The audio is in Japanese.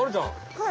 はい。